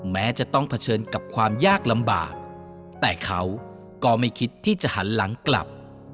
แม้จะต้องเผชิญกับความยากลำบากแต่เขาก็ไม่คิดที่จะหันหลังกลับ